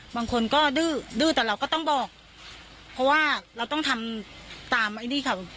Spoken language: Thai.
บางคนก็ดื้อดื้อแต่เราก็ต้องบอกเพราะว่าเราต้องทำตามไอ้นี่เขา